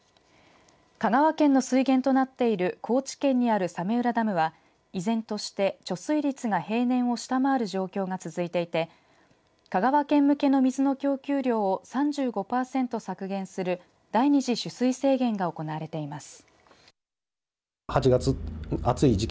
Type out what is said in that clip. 香川県の水源となっている高知県にある早明浦ダムは依然として貯水率が平年を下回る状況が続いていて香川県向けの水の供給量を３５％削減する第二次取水制限が行われています。